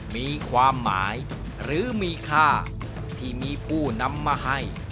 มีความหมายหรือมีค่าที่มีผู้นำมาให้